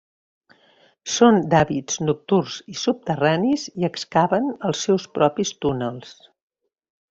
Són d'hàbits nocturns i subterranis i excaven els seus propis túnels.